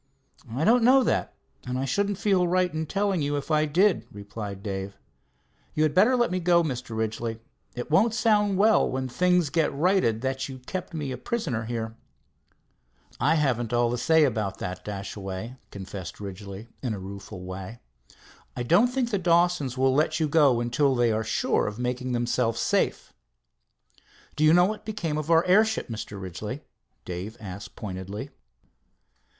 "I don't know that, and I shouldn't feel right in telling you if I did," replied Dave. "You had better let me go, Mr. Ridgely. It won't sound well, when things get righted, that you kept me a prisoner here." "I haven't all the say about that, Dashaway," confessed Ridgely in a rueful way. "I don't think the Dawsons will let you go until they are sure of making themselves safe." "Do you know what became of our airship, Mr. Ridgely?" Dave asked pointedly.